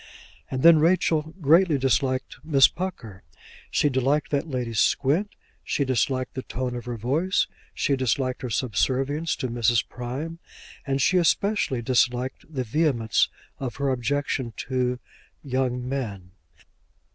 And then Rachel greatly disliked Miss Pucker. She disliked that lady's squint, she disliked the tone of her voice, she disliked her subservience to Mrs. Prime, and she especially disliked the vehemence of her objection to young men.